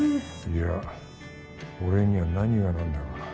いや俺には何が何だか。